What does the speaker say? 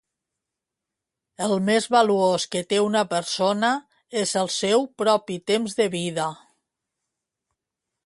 El més valuós que té una persona és el seu propi temps de vida